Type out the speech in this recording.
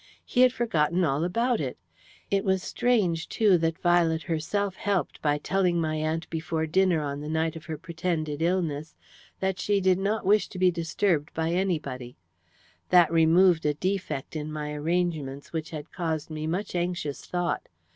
He had forgotten all about it. It was strange, too, that Violet herself helped by telling my aunt before dinner on the night of her pretended illness that she did not wish to be disturbed by anybody. That removed a defect in my arrangements which had caused me much anxious thought.